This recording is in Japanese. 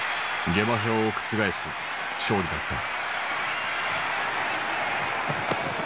下馬評を覆す勝利だった。